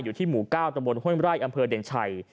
อยู่ที่หมู่ก้าวตรงบนห้วยมร่ายอำเภอเด่นชัย